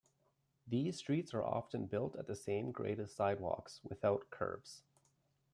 These streets are often built at the same grade as sidewalks, without curbs.